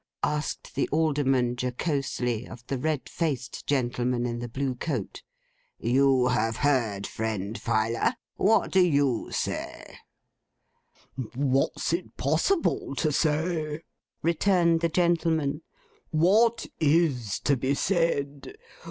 asked the Alderman, jocosely, of the red faced gentleman in the blue coat. 'You have heard friend Filer. What do you say?' 'What's it possible to say?' returned the gentleman. 'What is to be said?